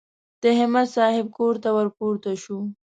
د همت صاحب کور ته ور پورته شوو.